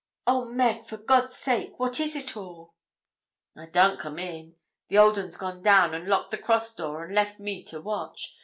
'Oh, Meg! for God's sake, what is it all?' 'I darn't come in. The old un's gone down, and locked the cross door, and left me to watch.